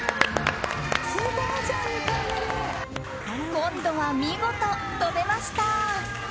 今度は見事、跳べました。